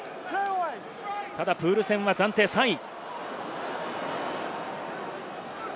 ただプール戦は暫定３位。